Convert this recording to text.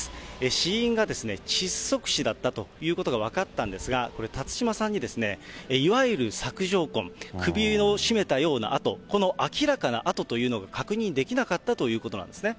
死因が窒息死だったということが分かったんですが、これ、辰島さんにいわゆる索条痕、首を絞めたような痕、この明らかな痕というのが確認できなかったということなんですね。